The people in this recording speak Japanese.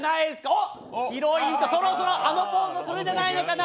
おっ、ヒロインと、そろそろあのポーズをするんじゃないかな？